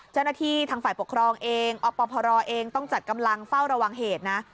เจ้าหน้าที่ทางฝ่ายปกครองเองอปพรเองต้องจัดกำลังเฝ้าระวังเหตุนะ